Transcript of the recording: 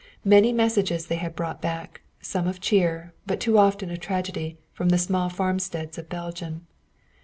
Many messages they had brought back, some of cheer, but too often of tragedy, from the small farmsteads of Belgium.